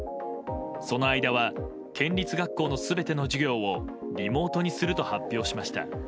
その間は県立学校の全ての授業をリモートにすると発表しました。